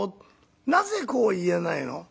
なぜこう言えないの？